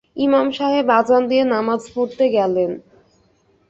ইমামসাহেব আজান দিয়ে নামাজ পড়তে গেলেন।